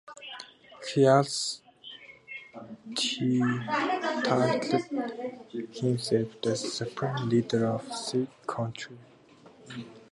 He also titled himself the Supreme Leader of said country.